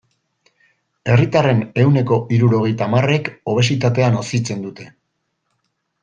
Herritarren ehuneko hirurogeita hamarrek obesitatea nozitzen dute.